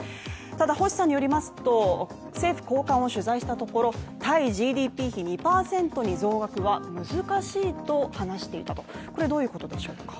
ただ星さんによりますと、政府高官を取材したところ対ＧＤＰ比２％への増額は難しいと話していたと、これはどういうことでしょうか。